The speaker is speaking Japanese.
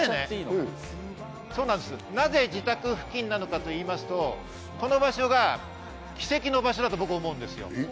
なぜ自宅付近なのかと言いますと、この場所が奇跡の場所だと僕思うんです。